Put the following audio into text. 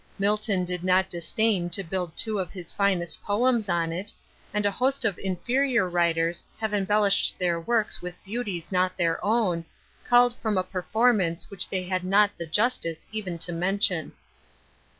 MILTON did not disdain to build two of his finest poems on it; and a host of inferior writers have embellished their works with beauties not their own, culled from a performance which they had not the justice even to mention.